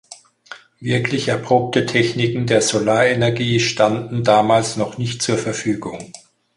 Wirklich erprobte Techniken der Solarenergie standen damals noch nicht zur Verfügung.